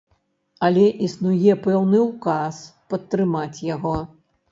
Але існуе пэўны ўказ, падтрымаць яго.